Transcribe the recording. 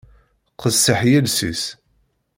Qessiḥ yiles-is.